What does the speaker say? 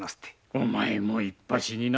お前もいっぱしになったの。